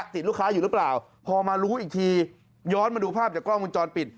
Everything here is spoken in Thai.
ติดลูกค้าอยู่หรือเปล่าพอมารู้อีกทีย้อนมาดูภาพจากกล้องวงจรปิด